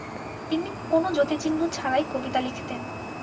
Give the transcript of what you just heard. তিনি কোনও যতিচিহ্ন ছাড়াই কবিতা লিখতেন।